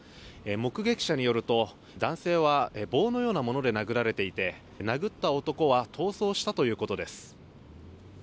目撃者によると、男性は棒のようなもので殴られていて殴った男は逃走したということです。